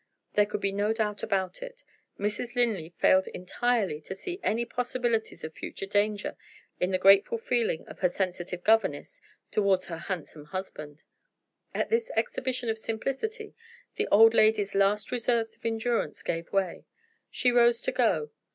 There could be no doubt about it; Mrs. Linley failed entirely to see any possibilities of future danger in the grateful feeling of her sensitive governess toward her handsome husband. At this exhibition of simplicity, the old lady's last reserves of endurance gave way: she rose to go.